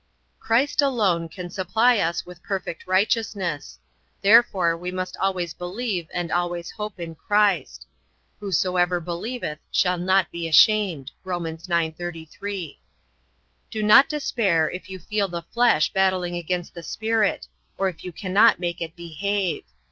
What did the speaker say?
Christ alone can supply us with perfect righteousness. Therefore we must always believe and always hope in Christ. "Whosoever believeth shall not be ashamed." (Rom. 9:33.) Do not despair if you feel the flesh battling against the Spirit or if you cannot make it behave.